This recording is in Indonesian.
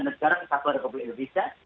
negara kesatuan republik indonesia